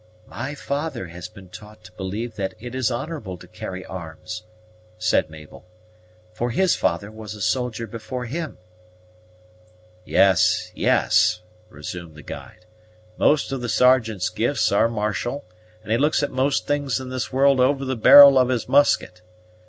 "My father has been taught to believe that it is honorable to carry arms," said Mabel, "for his father was a soldier before him." "Yes, yes," resumed the guide; "most of the Sergeant's gifts are martial, and he looks at most things in this world over the barrel of his musket.